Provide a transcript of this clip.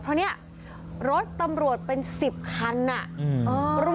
เพราะเนี้ยรถตำรวจเป็นสิบคันอ่ะอืม